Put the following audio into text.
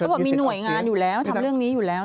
บอกมีหน่วยงานอยู่แล้วทำเรื่องนี้อยู่แล้ว